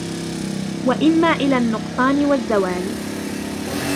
وَإِمَّا إلَى النُّقْصَانِ وَالزَّوَالِ